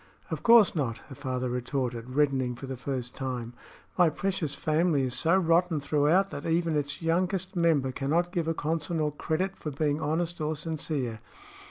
"Of course not," her father retorted, reddening for the first time. "My precious family is so rotten throughout that even its youngest member cannot give a Consinor credit for being honest or sincere."